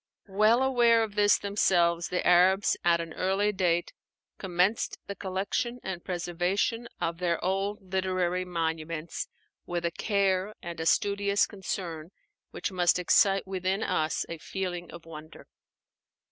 Well aware of this themselves, the Arabs at an early date commenced the collection and preservation of their old literary monuments with a care and a studious concern which must excite within us a feeling of wonder.